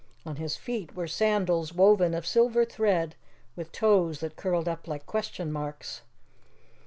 On his feet were sandals woven of silver thread, with toes that curled up like question marks.